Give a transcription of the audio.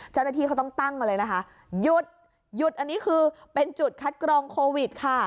เจ้าหน้าที่เขาต้องตั้งมาเลยนะคะหยุดหยุดอันนี้คือเป็นจุดคัดกรองโควิดค่ะ